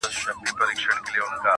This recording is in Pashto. هغه د خلکو له نظره پټه ساتل کيږي هلته-